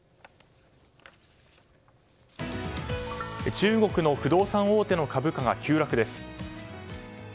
中国の不動産大手の株価が急落です。